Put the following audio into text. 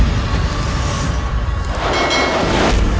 kejadian yang tersesat